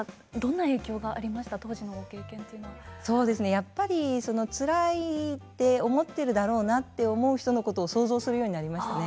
やっぱりつらいって思ってるだろうなって思う人のことを想像するようになりましたね。